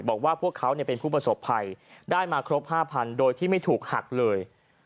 บอกว่าพวกเขาเป็นผู้ประสบภัยได้มาครบ๕๐๐โดยที่ไม่ถูกหักเลย